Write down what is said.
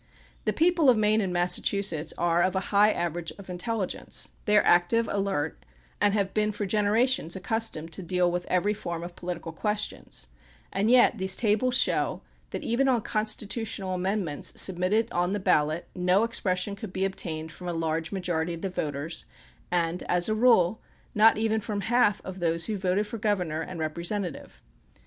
The people of Maine and Massachusetts are of a high average of intelligence. They are active, alert, and have been for generations accustomed to deal with every form of political questions, and yet these tables show that even on constitutional amendments sub mitted on the ballot no expression could be obtained from a large majority of the voters, and, as a rule, not even from half of those who voted for governor and representative.